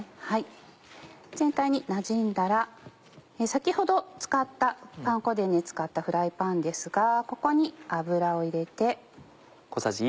全体になじんだら先ほど使ったパン粉で使ったフライパンですがここに油を入れて。